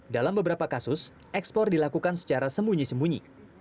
dalam beberapa kasus ekspor dilakukan secara sembunyi sembunyi